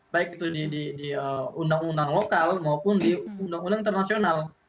baik itu di undang undang lokal maupun di undang undang internasional